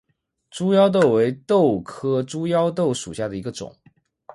猪腰豆为豆科猪腰豆属下的一个种。